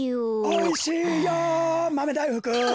・おいしいよマメだいふく。